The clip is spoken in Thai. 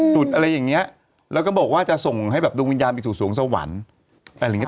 แต่เดี๋ยวเนี้ยชุมชนมาใกล้กันด้วย